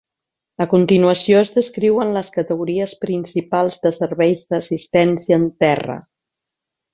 A continuació es descriuen les categories principals dels serveis d'assistència en terra.